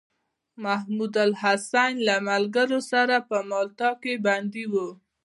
محمودالحسن له ملګرو سره په مالټا کې بندي و.